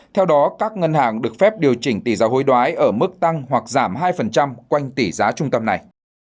theo đó các ngân hàng được phép điều chỉnh tỷ giá hối đoái ở mức tăng hoặc giảm hai quanh tỷ giá trung tâm này